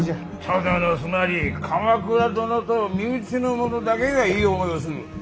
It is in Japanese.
とどのつまり鎌倉殿と身内の者だけがいい思いをする。